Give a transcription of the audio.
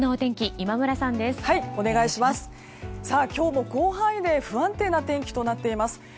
今日も広範囲で不安定な天気となっています。